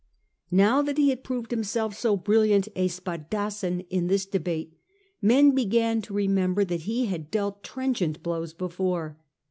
Now that he had proved himself so brilliant a tpadassin in this debate, men began to remember that he had dealt trenchant blows before.